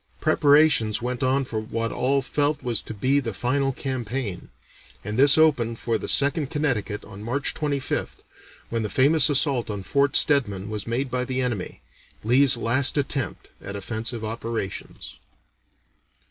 Preparations went on for what all felt was to be the final campaign; and this opened for the Second Connecticut on March 25th, when the famous assault on Fort Stedman was made by the enemy, Lee's last attempt at offensive operations.